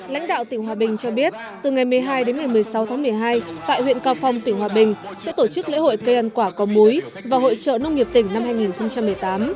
lãnh đạo tỉnh hòa bình cho biết từ ngày một mươi hai đến ngày một mươi sáu tháng một mươi hai tại huyện cao phong tỉnh hòa bình sẽ tổ chức lễ hội cây ăn quả có múi và hội trợ nông nghiệp tỉnh năm hai nghìn một mươi tám